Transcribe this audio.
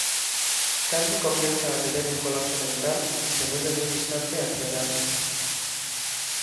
Candy comienza a tener un colapso mental, y se vuelve muy distante hacia Dan.